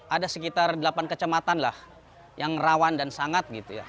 ada sekitar delapan kecamatan lah yang rawan dan sangat gitu ya